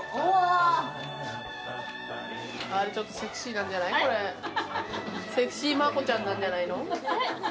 あらちょっとセクシーなんじゃないこれセクシーまこちゃんなんじゃないの。